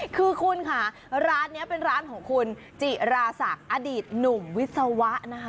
คือคุณค่ะร้านนี้เป็นร้านของคุณจิราศักดิ์อดีตหนุ่มวิศวะนะคะ